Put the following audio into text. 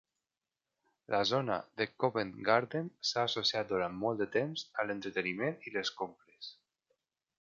La zona de Covent Garden s'ha associat durant molt de temps a l'entreteniment i les compres.